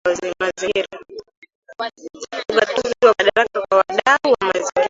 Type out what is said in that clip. Ugatuzi wa madaraka kwa wadau wa mazingira